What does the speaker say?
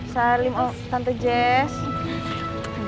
salim tante jess